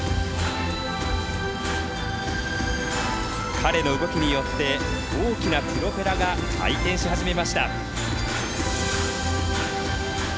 彼の動きによって大きなプロペラが回転し始めました。